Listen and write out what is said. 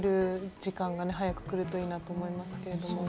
時間が早く来るといいなと思いますけれど。